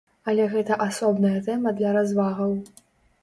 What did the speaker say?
Але гэта асобная тэма для развагаў.